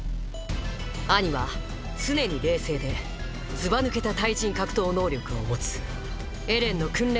アニは常に冷静でずばぬけた対人格闘能力を持つエレンの訓練